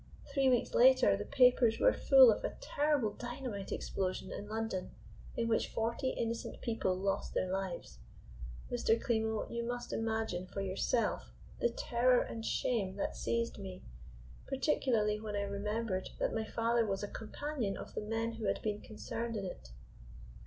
Three weeks later the papers were full of a terrible dynamite explosion in London, in which forty innocent people lost their lives. Mr. Klimo, you must imagine for yourself the terror and shame that seized me, particularly when I remembered that my father was a companion of the men who had been concerned in it.